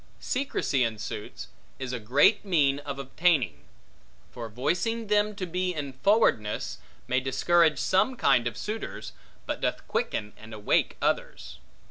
Secrecy in suits, is a great mean of obtaining; for voicing them to be in forwardness, may discourage some kind of suitors, but doth quicken and awake others.